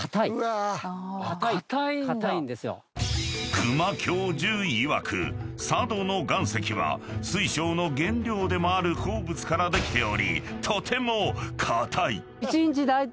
［久間教授いわく佐渡の岩石は水晶の原料でもある鉱物からできておりとても硬い］